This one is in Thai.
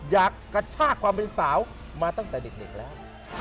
กระชากความเป็นสาวมาตั้งแต่เด็กแล้ว